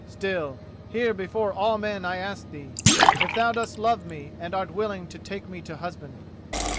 Still, here before all men I ask thee, if thou dost love me and art willing to take me to husband?"